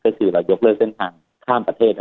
ก็คือเรายกเลิกเส้นทางข้ามประเทศ